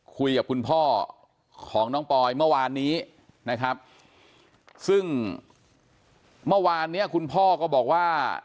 คุยกับคุณพ่อของน้องปอยเมื่อวานนี้นะครับซึ่งเมื่อวานเนี้ยคุณพ่อก็บอกว่า